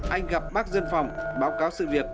anh gặp bác dân phòng báo cáo sự việc